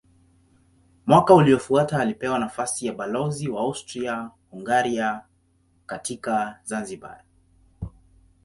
Mwaka uliofuata alipewa nafasi ya balozi wa Austria-Hungaria katika Zanzibar.